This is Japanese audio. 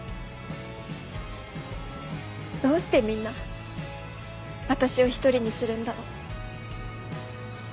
どうしてみんな私を一人にするんだろう。